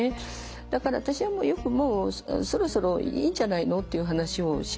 だから私はよくもうそろそろいいんじゃないの？っていう話をします。